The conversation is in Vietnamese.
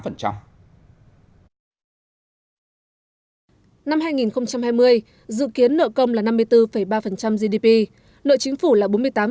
năm hai nghìn hai mươi dự kiến nợ công là năm mươi bốn ba gdp nợ chính phủ là bốn mươi tám